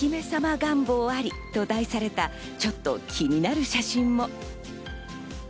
願望ありと題された、ちょっと気になる写真も。